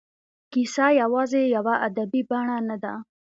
کیسه یوازې یوه ادبي بڼه نه ده.